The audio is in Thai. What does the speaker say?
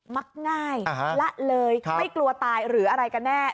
มักง่ายละเลยไม่กลัวตายหรืออะไรกันแน่